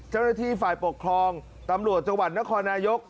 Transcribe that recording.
เจ้าหน้าที่ฝ่ายปกครองตำรวจจังหวัดนครนายก